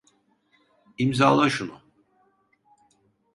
İmzala şunu.